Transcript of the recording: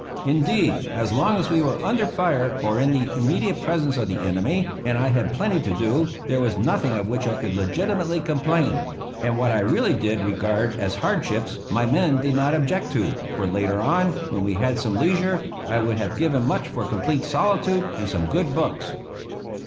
Indeed, as long as we were under fire or in the immediate presence of the enemy, and I had plenty to do, there was nothing of which I could legitimately complain; and what I really did regard as hardships, my men did not object to for later on, when we had some leisure, I would have given much for complete solitude and some good books.